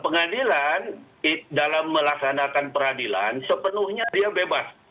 pengadilan dalam melaksanakan peradilan sepenuhnya dia bebas